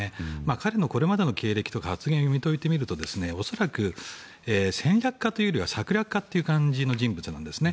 彼のこれまでの経歴とか発言を読み解いてみると恐らく、戦略家というよりは策略家というような人物なんですよね。